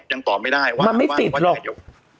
มันไม่ติดหรอก